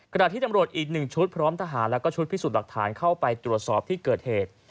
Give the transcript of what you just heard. ขณะที่ตำรวจอีก๑ชุดพร้อมทหารแล้วก็ชุดพิสูจน์หลักฐานเข้าไปตรวจสอบที่เกิดเหตุ